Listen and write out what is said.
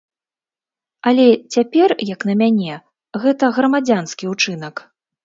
Але цяпер, як на мяне, гэта грамадзянскі ўчынак.